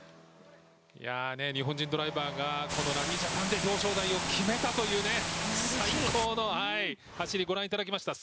日本人ドライバーがこのラリージャパンで表彰台を決めたという最高の走りをご覧いただきました。